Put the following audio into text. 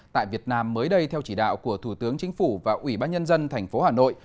tại việt nam mới đây theo chỉ đạo của thủ tướng chính phủ và ủy ban nhân dân thành phố hà nội